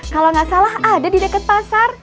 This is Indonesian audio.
kalau nggak salah ada di dekat pasar